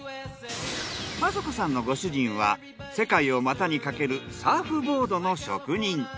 真子さんのご主人は世界を股にかけるサーフボードの職人。